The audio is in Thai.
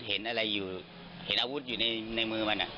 เห็นอะไรอยู่เห็นอาวุธอยู่ในมือมัน